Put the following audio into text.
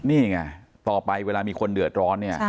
นี่ไงต่อไปเวลามีคนเดือดร้อนเนี่ย